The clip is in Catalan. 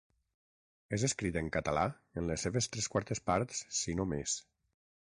És escrit en català en les seves tres quartes parts, si no més.